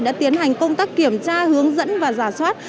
đã tiến hành công tác kiểm tra hướng dẫn và giả soát